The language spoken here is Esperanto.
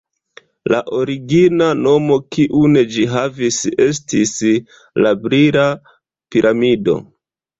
La origina nomo kiun ĝi havis estis: «La brila piramido».